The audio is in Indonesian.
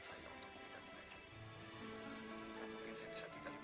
sampai jumpa di video selanjutnya